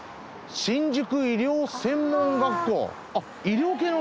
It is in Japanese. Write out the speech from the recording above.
新宿医療専門学校。